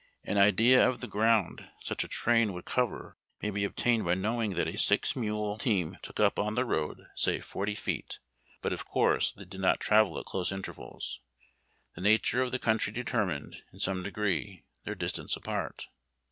An idea of the ground such a train would cover may be obtained by knowing that a six mule 3(34 uAnn tack and coffee. team took up on the road, say, forty feet, but of course they did not travel at close intervals. Tlie nature of the country determined, in some degree, their distance apart.